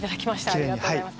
ありがとうございます。